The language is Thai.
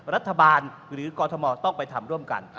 รัฐบาลหรือกรทมต้องไปทำร่วมกัน